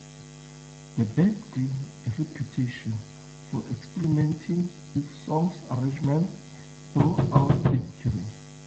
The band gained a reputation for experimenting with song arrangements throughout its career.